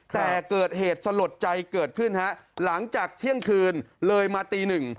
แต่เกิดเหตุสลดใจเกิดขึ้นฮะหลังจากเที่ยงคืนเลยมาตีหนึ่ง